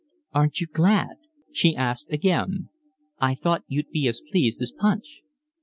"Aren't you glad?" she asked again. "I thought you'd be as pleased as Punch."